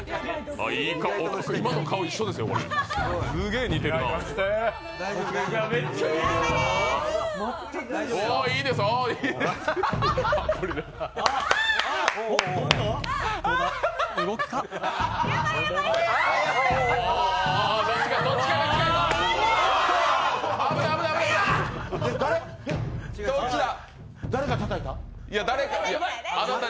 今の顔一緒ですよ、すげえ似てるな誰がたたいた？